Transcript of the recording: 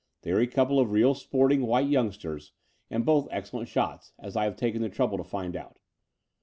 They are a couple of real sporting white young sters, and both excellent shots, as I have taken the trouble to find out.